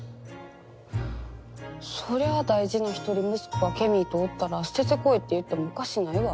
そりゃあ大事な一人息子がケミーとおったら捨ててこいって言ってもおかしないわ。